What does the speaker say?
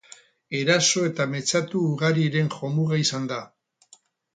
Eraso eta mehatxu ugariren jomuga izan dira.